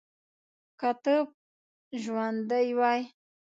که ته ژوندی وای.